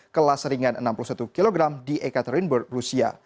kelas ringan enam puluh satu kg di ekaterinburg rusia